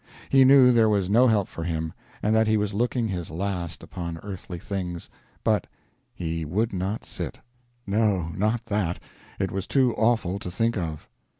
He knew there was no help for him, and that he was looking his last upon earthly things, but "he would not sit." No, not that it was too awful to think of!